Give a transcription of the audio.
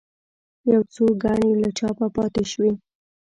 یو څو ګڼې له چاپه پاتې شوې.